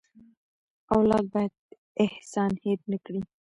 اولاد باید احسان هېر نه کړي.